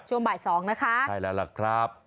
ช่วงบ่ายสองนะคะใช่แล้วล่ะครับ